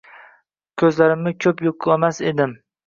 Kuzlarimni kup yuqlamas nam